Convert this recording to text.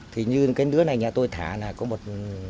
thì như cái nứa này nhà tôi thả là có một